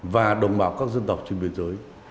và đồng bào các dân tộc trên biên giới